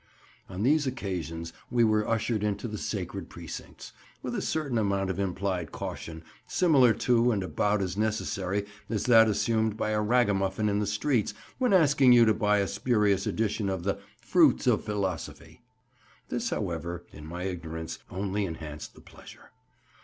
On these occasions we were ushered into the sacred precincts, with a certain amount of implied caution similar to and about as necessary as that assumed by a ragamuffin in the streets when asking you to buy a spurious edition of the Fruits of Philosophy. This, however, in my ignorance, only enhanced the pleasure.